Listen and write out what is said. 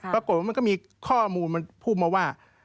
ปรากฏว่ามันก็มีข้อมูลมันพูดมาว่า